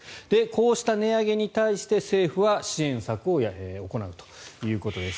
こうした値上げに対して、政府は支援策を行うということです。